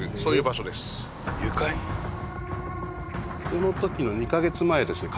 このときの２か月前ですね